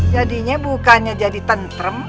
jadinya bukannya jadi tentrem